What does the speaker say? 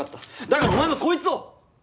だからお前もそいつを！